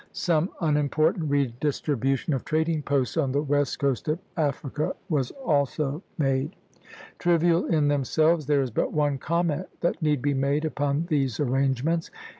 Some unimportant redistribution of trading posts on the west coast of Africa was also made. Trivial in themselves, there is but one comment that need be made upon these arrangements.